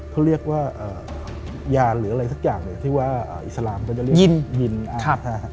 เขาเรียกว่ายานหรืออะไรสักอย่างเนี่ยที่ว่าอิสลามก็จะเรียกยินยิน